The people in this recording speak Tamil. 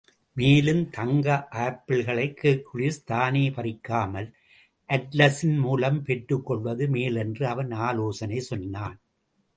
மேலும், தங்க ஆப்பிள்களை ஹெர்க்குலிஸ் தானே பறிக்காமல், அட்லஸின் மூலம் பெற்றுக்கொள்வது மேலென்றும் அவன் ஆலோசனை சொன்னான்.